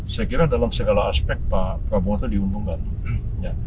saya kira dalam segala aspek pak prabowo itu diuntungkan